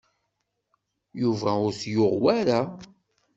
Yuba ur t-yuɣ wara.